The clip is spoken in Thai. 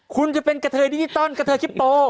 คุณจะเป็นกะเทยดิจิตอลกะเทยคิปโป